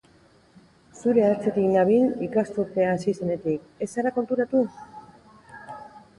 Zure atzetik nabil ikasturtea hasi zenetik, ez zara konturatu?